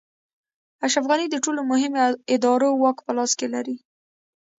اشرف غني د ټولو مهمو ادارو واک په لاس کې لري.